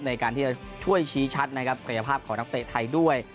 ในการที่จะช่วยชี้ชัดนะครับศักยภาพของนักเตะไทยด้วย